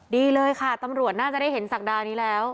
ดีเลยค่ะตำรวจน่าจะได้เห็นศักดานี้แล้ว